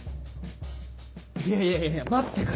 いやいやいや待ってくれ！